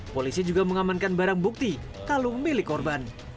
polisi juga mengamankan barang bukti kalau memilih korban